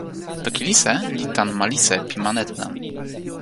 toki Lise li tan ma Lise pi ma Netelan.